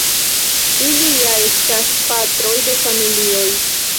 ili ja estas patroj de familioj.